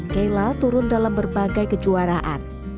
kela turun dalam berbagai kejuaraan